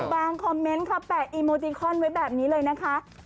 คอมเมนต์ค่ะแปะอีโมติคอนไว้แบบนี้เลยนะคะ